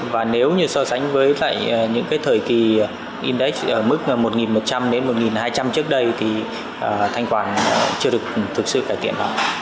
và nếu như so sánh với những thời kỳ index mức một một trăm linh đến một hai trăm linh trước đây thì thanh khoản chưa được thực sự cải thiện